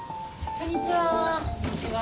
こんにちは。